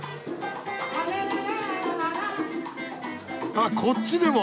あっこっちでも！